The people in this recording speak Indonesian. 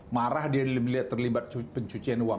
marah dia melihat terlibat pencucian uang